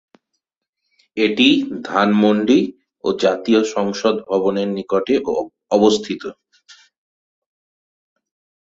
এটি ধানমন্ডি ও জাতীয় সংসদ ভবনের নিকটে অবস্থিত।